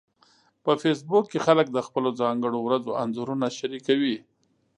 په فېسبوک کې خلک د خپلو ځانګړو ورځو انځورونه شریکوي